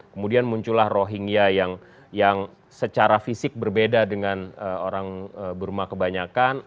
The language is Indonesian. kemudian muncullah rohingya yang secara fisik berbeda dengan orang burma kebanyakan